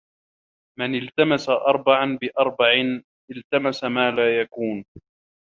مَنْ الْتَمَسَ أَرْبَعًا بِأَرْبَعٍ الْتَمَسَ مَا لَا يَكُونُ